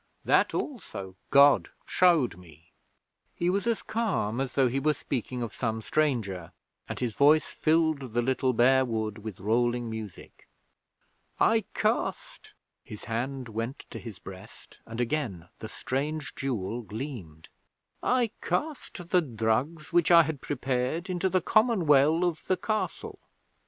That also God showed me.' He was as calm as though he were speaking of some stranger, and his voice filled the little bare wood with rolling music. 'I cast' his hand went to his breast, and again the strange jewel gleamed 'I cast the drugs which I had prepared into the common well of the Castle.